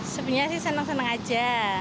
sebenarnya sih senang senang aja